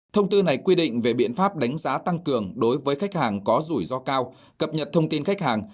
thông tư này quy định về biện pháp đánh giá tăng cường đối với khách hàng có rủi ro cao cập nhật thông tin khách hàng